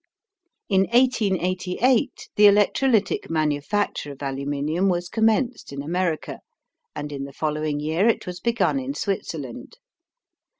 In 1888 the electrolytic manufacture of aluminum was commenced in America and in the following year it was begun in Switzerland.